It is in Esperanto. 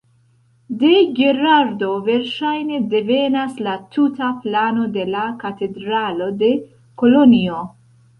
De Gerardo verŝajne devenas la tuta plano de la katedralo de Kolonjo.